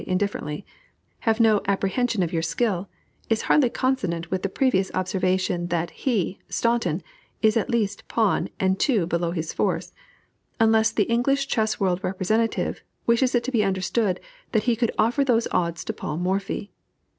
indifferently) have no apprehension of your skill," is hardly consonant with the previous observation, that "he (Staunton) is at least pawn and two below his force," unless the "English chess world representative" wishes it to be understood that he could offer those odds to Paul Morphy.